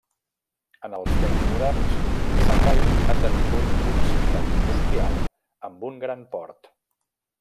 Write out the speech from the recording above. En els temps moderns, Sakai ha esdevingut una ciutat industrial amb un gran port.